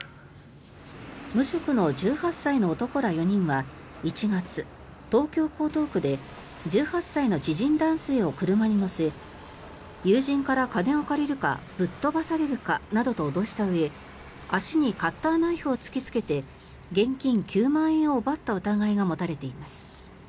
無職の１８歳の男ら４人は１月東京・江東区で１８歳の知人男性を車に乗せ友人から金を借りるかぶっ飛ばされるかなどと脅したうえ足にカッターナイフを突きつけて現金９万円を奪った疑いが持たれています。